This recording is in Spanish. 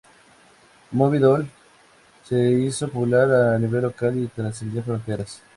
Moby Doll se hizo popular a nivel local y trascendió fronteras.